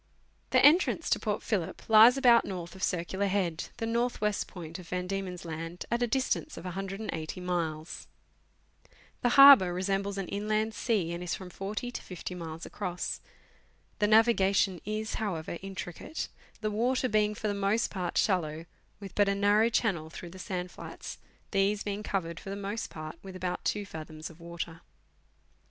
The entrance to Port Phillip lies about north of Circular Head, the north west point of Van Diemen's Land, at a distance of 180 miles. The harbour resembles an inland sea, and is from 40 to 50 miles across. The navigation is, however, intri cate, the water being for the most part shallow, with but a narrow channel through the sand flats, these being covered lor the most part with about 2 fathoms of water.